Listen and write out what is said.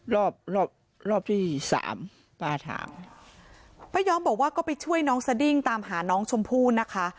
รอบรอบที่สามป้าถามป้าย้อมบอกว่าก็ไปช่วยน้องสดิ้งตามหาน้องชมพู่นะคะ